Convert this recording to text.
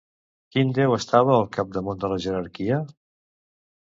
Quin déu estava al capdamunt de la jerarquia?